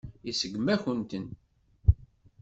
Iseggem-akent-ten.